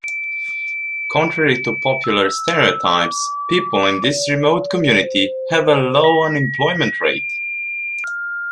Contrary to popular stereotypes, people in this remote community have a low unemployment rate.